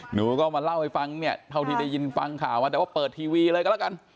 หนูก็มาเล่าให้ฟังเนี่ยเท่าที่ได้ยินฟังข่าวมาแต่ว่าเปิดทีวีเลยก็แล้วกัน